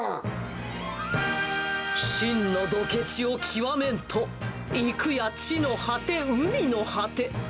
真のドケチを極めんと、行くや地の果て海の果て。